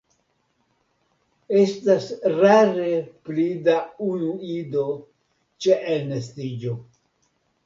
Estas rare pli da unu ido ĉe elnestiĝo.